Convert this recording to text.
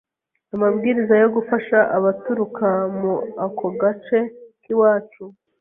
amabwirizwa yo gufasha abaturuka mu ako gace k’iwacu,